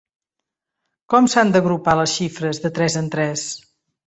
Com s'han d'agrupar les xifres de tres en tres?